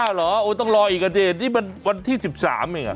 ๑๕เหรอโอ๊ยต้องรออีกกันสินี่มันวันที่๑๓อีกอ่ะ